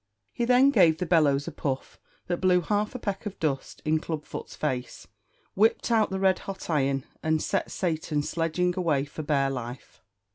He then gave the bellows a puff that blew half a peck of dust in Club foot's face, whipped out the red hot iron, and set Satan sledging away for bare life.